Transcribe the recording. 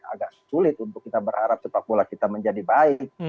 agak sulit untuk kita berharap sepak bola kita menjadi baik